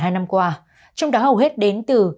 hai năm qua trong đó hầu hết đến từ